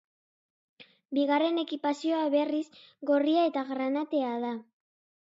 Bigarren ekipazioa berriz, gorria eta granatea da.